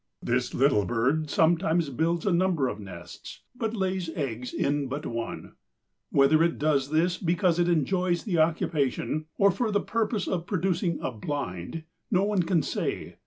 This little bird sometimes builds a number of nests, but lays eggs in but one. Whether it does this because it enjoys the occupation, or for the purpose of producing a "blind," no one can say.